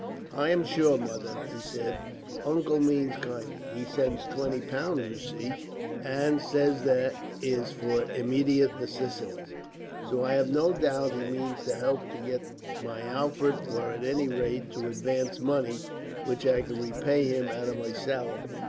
"And I'm sure, Mother," he said, "Uncle means most kindly. He sends twenty pounds, you see, and says that that is for immediate necessities; so I have no doubt he means to help to get my outfit, or at any rate to advance money, which I can repay him out of my salary.